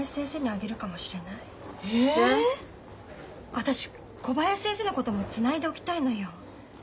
私小林先生のこともつないでおきたいのよ。